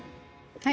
はい。